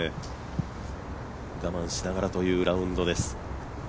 我慢しながらというラウンドです。